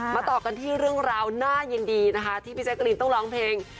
ต่อกันที่เรื่องราวน่ายินดีนะคะที่พี่แจ๊กรีนต้องร้องเพลง